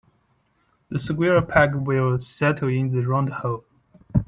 The square peg will settle in the round hole.